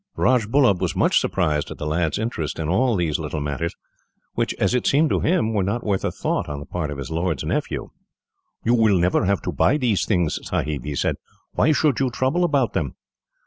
Rajbullub was much surprised at the lad's interest in all these little matters, which, as it seemed to him, were not worth a thought on the part of his lord's nephew. "You will never have to buy these things, Sahib," he said. "Why should you trouble about them?"